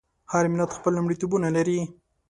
هر ملت خپل لومړیتوبونه لري.